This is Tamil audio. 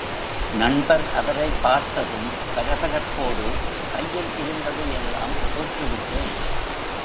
நண்பர் அவரைப் பார்த்ததும், பரபரப்போடு, கையில் இருந்ததையெல்லாம் தோற்றுவிட்டேன்.